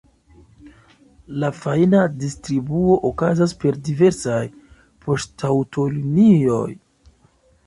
La fajna distribuo okazas per diversaj poŝtaŭtolinioj.